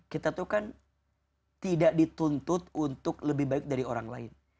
kita tuh kan tidak dituntut untuk lebih baik dari orang lain